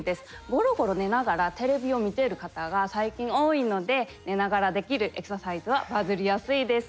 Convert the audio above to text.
ゴロゴロ寝ながらテレビを見てる方が最近多いので寝ながらできるエクササイズはバズりやすいです。